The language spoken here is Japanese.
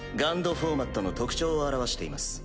フォーマットの特徴を表しています。